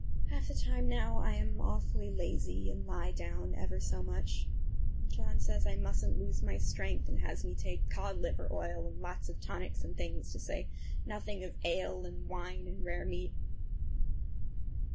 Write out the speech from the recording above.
Half the time now I am awfully lazy, and lie down ever so much. John says I musn't lose my strength, and has me take cod liver oil and lots of tonics and things, to say nothing of ale and wine and rare meat.